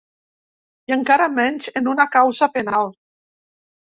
I encara menys en una causa penal.